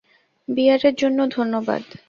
বিয়ারের জন্য ধন্যবাদ।